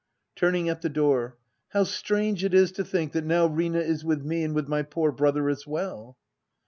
[Turning at the door.] How strange it is to think that now Rina is with me and with my poor brother as well